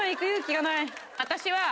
私は。